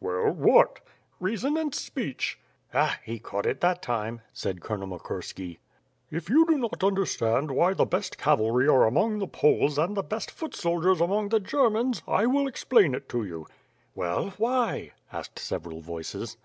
"Well, what?" "Reason and speech?" "Ah! he caught it that time," said Colonel Mokrski. "If you do not understand why the oest cavalry are among the Poles and the best foot soldiers among the Germans, I will explain to you." "Well, why?" asked several voices.